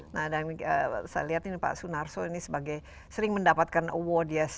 nah dan saya lihat ini pak sunarso ini sebagai sering mendapatkan award ya